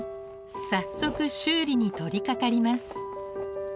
早速修理に取りかかります。